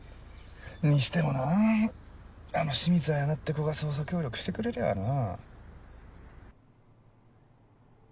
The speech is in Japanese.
にしてもなあの清水彩菜って子が捜査協力してくれりゃあなぁ。